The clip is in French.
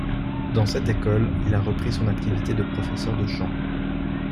Dans cette école, il a repris son activité de professeur de chant.